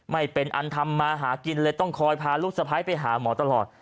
ไม่เป็นอันทำมาหากินเลยต้องคอยพาลูกสะพ้ายไปหาหมอตลอด